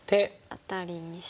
アタリにして。